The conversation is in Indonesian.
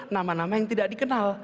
nama nama yang tidak dikenal